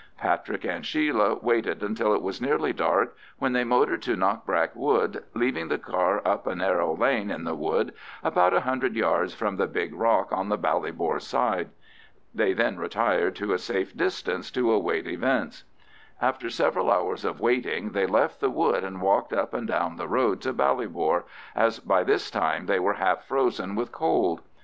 Patrick and Sheila waited until it was nearly dark, when they motored to Knockbrack Wood, leaving the car up a narrow lane in the wood, about a hundred yards from the big rock on the Ballybor side. They then retired to a safe distance to await events. After several hours of waiting they left the wood and walked up and down the road to Ballybor, as by this time they were half frozen with cold.